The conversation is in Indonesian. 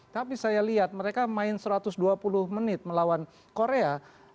tapi saya lihat mereka main satu ratus dua puluh menit melawan korea